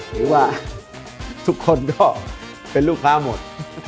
หรือว่าทุกคนก็เป็นลูกค้าหมด